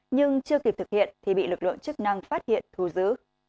nhưng chưa kịp thực hiện thì bị lực lượng chức năng phát hiện thu giữ